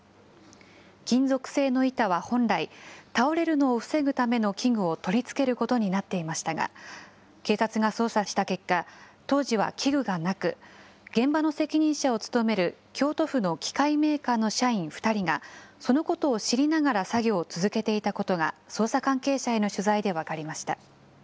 金属製の板は本来、倒れるのを防ぐための器具を取り付けることになっていましたが、警察が捜査した結果、当時は器具がなく、現場の責任者を務める京都府の機械メーカーの社員２人がそのことを知りながら作業を続けていたことが、捜査関係者への取材で分かりました。